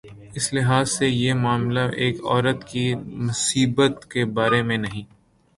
اس لحاظ سے یہ معاملہ ایک عورت کی مصیبت کے بارے میں نہیں۔